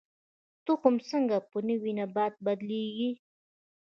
تخم څنګه په نوي نبات بدلیږي؟